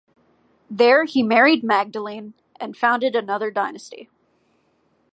There he married Magdalene, and founded another dynasty.